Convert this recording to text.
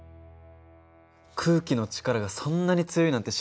空気の力がそんなに強いなんて知らなかった。